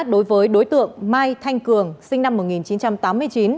đối với đối tượng mai thanh cường sinh năm một nghìn chín trăm tám mươi chín